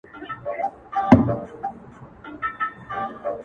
اوس لا د گرانښت څو ټكي پـاتــه دي;